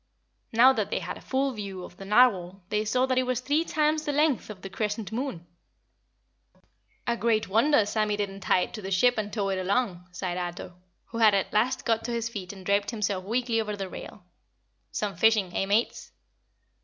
Now that they had a full view of the Narwhal they saw that it was three times the length of the Crescent Moon. "A great wonder Sammy didn't tie it to the ship and tow it along," sighed Ato, who had at last got to his feet and draped himself weakly over the rail. "Some fishin' eh, Mates?"